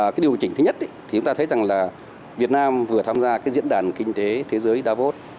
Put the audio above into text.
cái điều chỉnh thứ nhất thì chúng ta thấy rằng là việt nam vừa tham gia cái diễn đàn kinh tế thế giới davos